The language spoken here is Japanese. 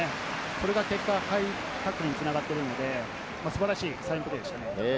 その結果、ハイタックルに繋がってるので素晴らしいサインプレーでしたね。